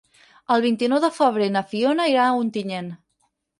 El vint-i-nou de febrer na Fiona irà a Ontinyent.